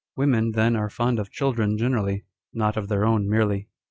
Women, then, are fond of children generally ; not of their own merely.